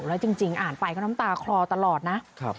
แล้วจริงอ่านไปก็น้ำตาคลอตลอดนะ